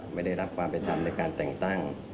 ไม่ได้รับความเป็นธรรมในการแต่งตั้ง